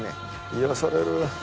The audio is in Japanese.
癒やされる。